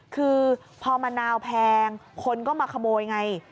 คือพอมะนาวแพงคนก็มาขโมยไง